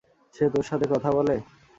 সে তোর সাথে কথা বলে?